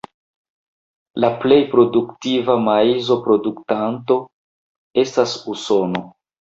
La plej produktiva maizo-produktanto estas Usono.